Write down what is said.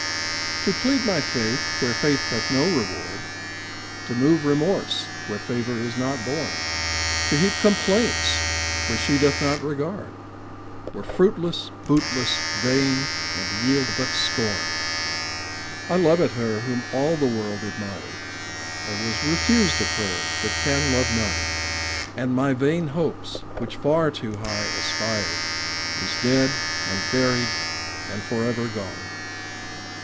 TO plead my faith where faith had no reward, To move remorse where favor is not borne, To heap complaints where she doth not regard, Were fruitless, bootless, vain, and yield but scorn. I lovéd her whom all the world admired, I was refused of her that can love none; And my vain hopes, which far too high aspired, Is dead, and buried, and for ever gone.